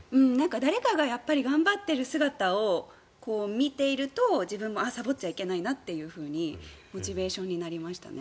誰かが頑張っている姿を見ていると自分もサボっちゃいけないなとモチベーションになりましたね。